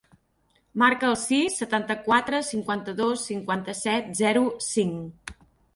Marca el sis, setanta-quatre, cinquanta-dos, cinquanta-set, zero, cinc.